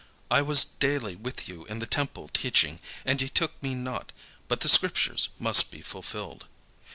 I was daily with you in the temple teaching, and ye took me not: but the scriptures must be fulfilled."